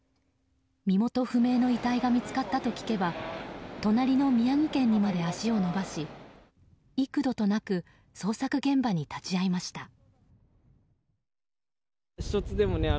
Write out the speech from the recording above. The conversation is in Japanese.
身元不明の遺体が見つかったと聞けば隣の宮城県にまで足を延ばし幾度となく捜索現場に立ち会いました。